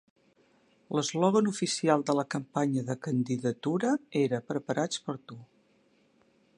L"eslògan oficial de la campanya de candidatura era "Preparats per a tu".